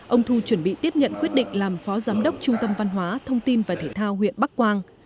ông thu chuẩn bị tiếp nhận quyết định làm phó giám đốc trung tâm văn hóa thông tin và thể thao huyện bắc quang